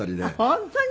本当に？